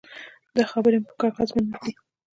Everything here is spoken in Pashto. دا خبرې مو پر کاغذ منلي دي.